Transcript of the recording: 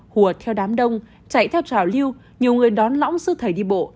hùa theo đám đông chạy theo trào lưu nhiều người đón lõng sư thầy đi bộ